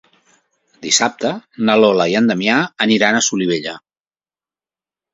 Dissabte na Lola i en Damià iran a Solivella.